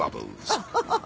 アハハハ！